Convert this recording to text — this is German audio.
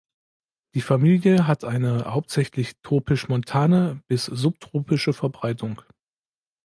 Die Familie hat eine hauptsächlich tropisch-montane bis subtropische Verbreitung.